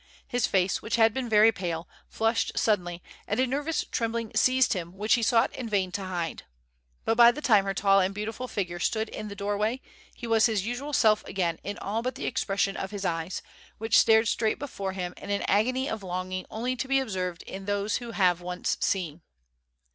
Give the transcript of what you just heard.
His face, which had been very pale, flushed suddenly, and a nervous trembling seized him which he sought in vain to hide. But by the time her tall and beautiful figure stood in the doorway, he was his usual self again in all but the expression of his eyes, which stared straight before him in an agony of longing only to be observed in those who have once seen.